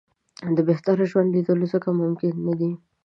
د بهتره ژوند لېدل ځکه ممکن نه دي.